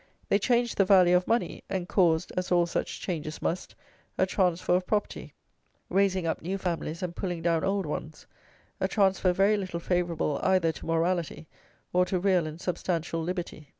They changed the value of money, and caused, as all such changes must, a transfer of property, raising up new families and pulling down old ones, a transfer very little favourable either to morality, or to real and substantial liberty.